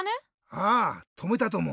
ああとめたとも。